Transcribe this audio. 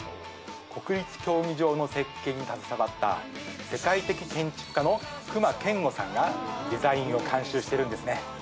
国立競技場の設計に携わった世界的建築家の隈研吾さんがデザインを監修してるんですね。